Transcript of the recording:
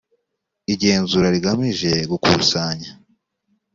igenzura rigamije gukusanya